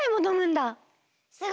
すごい！